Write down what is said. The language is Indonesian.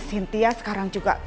cynthia sekarang juga